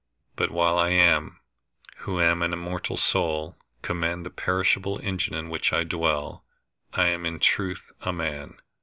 But while I, who am an immortal soul, command the perishable engine in which I dwell, I am in truth a man.